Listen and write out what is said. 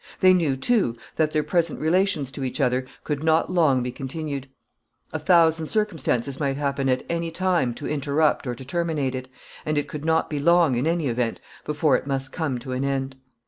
They knew, too, that their present relations to each other could not long be continued. A thousand circumstances might happen at any time to interrupt or to terminate it, and it could not be long, in any event, before it must come to an end.